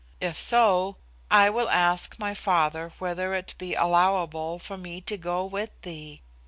If so, I will ask my father whether it be allowable for me to go with thee.